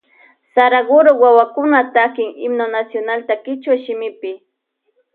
Saraguro wawakuna takin himno nacionalta kichwa shimipi.